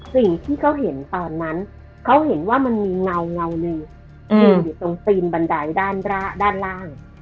สิ่งที่เขาเห็นตอนนั้นเขาเห็นว่ามันมีเงาหนึ่งอยู่ตรงตีนบันไดด้านล่าง